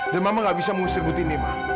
dan mama tidak bisa mengusir putini ma